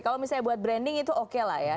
kalau misalnya buat branding itu oke lah ya